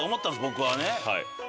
僕はね。